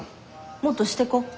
もっとしてこ。